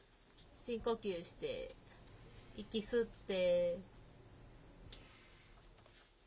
深呼吸して、息吸って。